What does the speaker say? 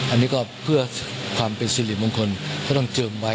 อันนี้ก็เพื่อความเป็นศิลป์ของคนเขาต้องเจิมไว้